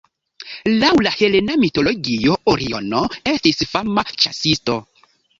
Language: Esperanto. Laŭ la helena mitologio Oriono estis fama ĉasisto.